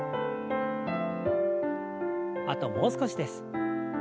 あともう少しです。